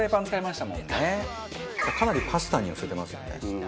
かなりパスタに寄せてますよね。